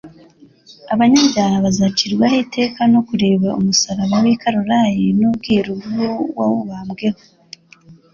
Abanyabyaha bazacirwaho iteka no kureba umusaraba w'i Kaluyari n'ubwiru bw'uwawubambweho.